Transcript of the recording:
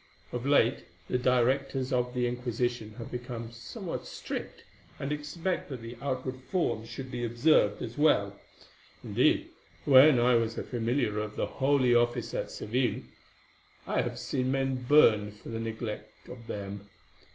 Of late the directors of the Inquisition have become somewhat strict, and expect that the outward forms should be observed as well. Indeed, when I was a familiar of the Holy Office at Seville, I have seen men burned for the neglect of them.